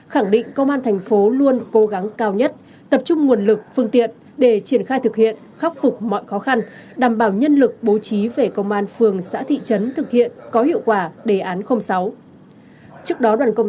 khẳng định công an thành phố luôn cố gắng cao nhất tập trung nguồn lực phương tiện để triển khai thực hiện khắc phục mọi khó khăn đảm bảo nhân lực bố trí về công an phường xã thị trấn thực hiện có hiệu quả đề án sáu